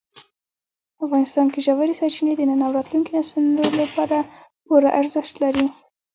افغانستان کې ژورې سرچینې د نن او راتلونکي نسلونو لپاره پوره ارزښت لري.